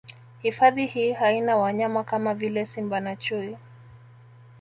Hifadhi hii haina wanyama kama vile Simba na Chui